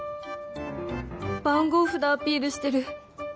番号札アピールしてる。